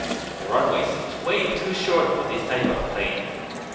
The runway seems way to short for this type of plane.